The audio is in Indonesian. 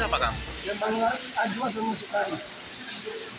yang paling laris ajwa semua sukare